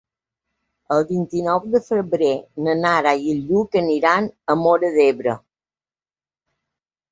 El vint-i-nou de febrer na Nara i en Lluc aniran a Móra d'Ebre.